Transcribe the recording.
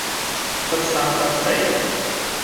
不三不四